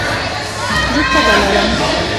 زه تبه لرم